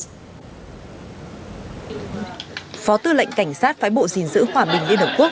phó tư lệnh cảnh sát phái bộ dình giữ hòa bình liên hợp quốc